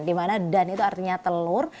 dimana dan itu artinya telur